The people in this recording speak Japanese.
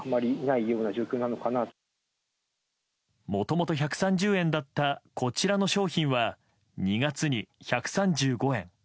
もともと１３０円だったこちらの商品は２月に１３５円。